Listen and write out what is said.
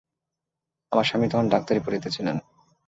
আমার স্বামী তখন ডাক্তারি পড়িতেছিলেন।